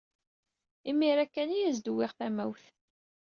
Imir-a kan ay as-d-wwiɣ tamawt.